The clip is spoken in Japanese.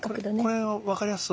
これ分かりやすい。